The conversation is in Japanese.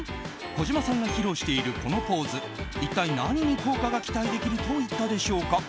児嶋さんが披露しているこのポーズ、一体何に効果が期待できると言ったでしょうか。